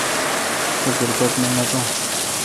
سو کرکٹ نہ ناٹو۔